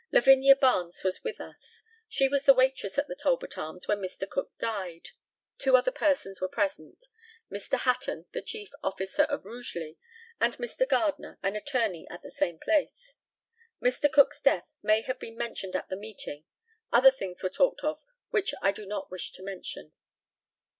Lavinia Barnes was with us. She was the waitress at the Talbot Arms when Mr. Cook died. Two other persons were present, Mr. Hatton, the chief officer of Rugeley, and Mr. Gardner, an attorney at the same place. Mr. Cook's death may have been mentioned at this meeting. Other things were talked of which I do not wish to mention.